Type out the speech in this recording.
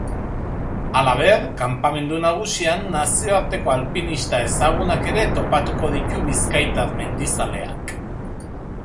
Halaber, kanpamendu nagusian nazioarteko alpinista ezagunak ere topatuko ditu bizkaitar mendizaleak.